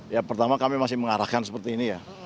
ya pertama kami masih mengarahkan seperti ini ya